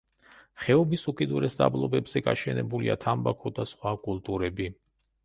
ხეობის უკიდურეს დაბლობებზე გაშენებულია თამბაქო და სხვა კულტურები.